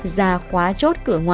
gia khóa chốt cửa ngồi